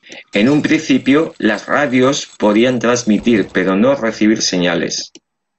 En un principio, las radios podían transmitir pero no recibir señales.